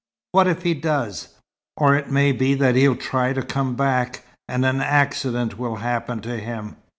"What if he does? Or it may be that he'll try to come back, and an accident will happen to him.